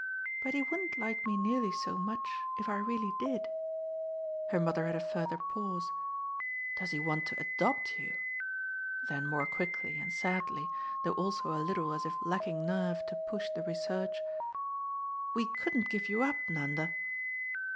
But he wouldn't like me nearly so much if I really did." Her mother had a further pause. "Does he want to ADOPT you?" Then more quickly and sadly, though also a little as if lacking nerve to push the research: "We couldn't give you up, Nanda."